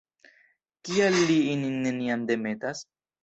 Kial li ilin neniam demetas?